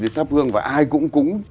thắp hương và ai cũng cúng